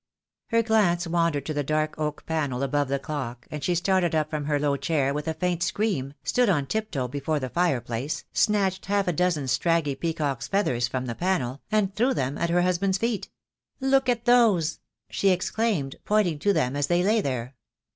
Her glance wandered to the dark oak panel above the clock, and she started up from her low chair with a faint scream, stood on tiptoe before the fire place, snatched half a dozen scraggy peacock's feathers from the panel, and threw them at her husband's feet. "Look at those," she exclaimed, pointing to them as they lay there.